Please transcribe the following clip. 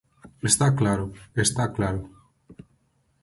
Está claro, está claro.